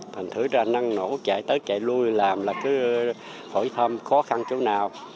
thành thứ ra năng nổ chạy tới chạy lui làm là cứ hỏi thăm khó khăn chỗ nào